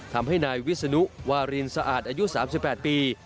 ทำให้นายวิศนุวารินสะอาดอายุ๓๘ปี